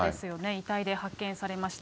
遺体で発見されました。